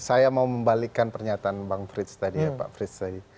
saya mau membalikan pernyataan bang frits tadi ya pak frits tadi